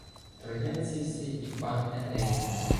Троянці всі і пан Еней